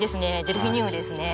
デルフィニウムですね。